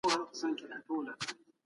هغې پوهېده چې هغه یو بریالی سوداګر دی.